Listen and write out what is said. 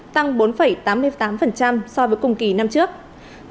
tăng bốn tám mươi tám so với cùng kỳ năm trước